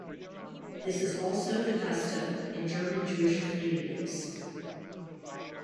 This is also the custom in German Jewish communities.